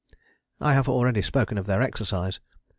I have already spoken of their exercise.